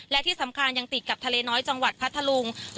และที่สำคัญยังติดกับทะเลน้อยจังหวัดพัทธลุง